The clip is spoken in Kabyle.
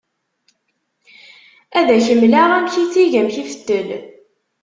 Ad ak-mleɣ amek itegg, amek ifettel.